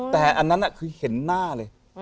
แต่อันนั้นคือเห็นหน้าเลย